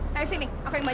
ah dari sini aku yang baca